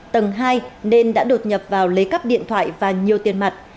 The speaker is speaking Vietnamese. tầng hai nên đã đột nhập vào lấy cắp điện thoại và nhiều tiền mặt